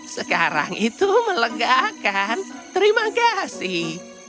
sekarang itu melegakan terima kasih